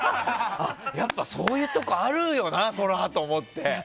やっぱりそういうところもあるよな、そりゃあと思って。